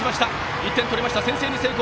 １点取りました、先制に成功。